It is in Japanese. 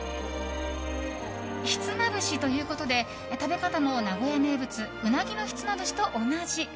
ひつまぶしということで食べ方も名古屋名物うなぎのひつまぶしと同じ。